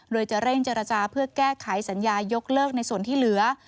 โดยจะเร่งเจรจาเพื่อแก้ไขสัญญายกเลิกในส่วนที่เหลือ